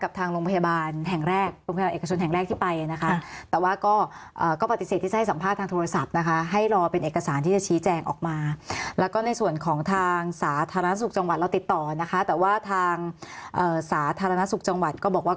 กับทางโรงพยาบาลแห่งแรกโรงพยาบาลเอกชนแห่งแรกที่ไปนะคะ